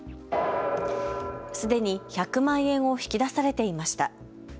すでに１００万円を引き出されていました。